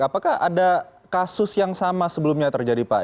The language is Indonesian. apakah ada kasus yang sama sebelumnya terjadi pak